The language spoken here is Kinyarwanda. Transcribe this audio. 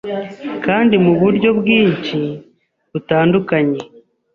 kandi muburyo bwinshi butandukanye